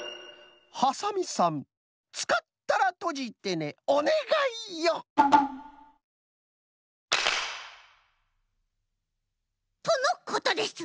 「ハサミさんつかったらとじてねおねがいよ」。とのことです。